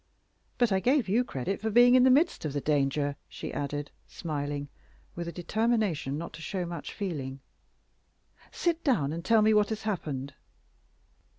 But I gave you credit for being in the midst of the danger," she added, smiling, with a determination not to show much feeling. "Sit down and tell me what has happened."